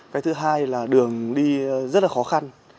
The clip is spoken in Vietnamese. cái thứ hai là đường đi rất là khó khăn